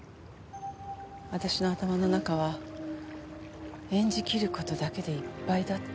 私の頭の中は演じきる事だけでいっぱいだった。